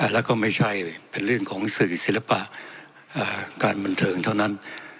แล้วก็ไม่ใช่เป็นเรื่องของสื่อศิลปะการบันเทิงเท่านั้น